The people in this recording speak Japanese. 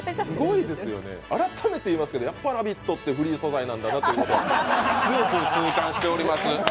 すごいですよね、改めていいますがやっぱり「ラヴィット！」ってフリー素材なんだなと痛感しております。